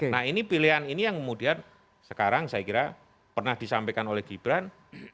nah ini pilihan ini yang kemudian sekarang saya kira pernah disampaikan oleh gibran